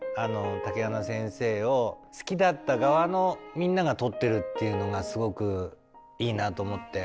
竹花先生を好きだった側のみんなが撮ってるっていうのがすごくいいなと思って。